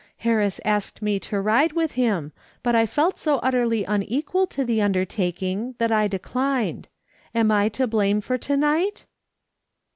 Harris asked me to ride with him, but I felt so utterly unequal to the undertaking that I declined. Am I to blame for to night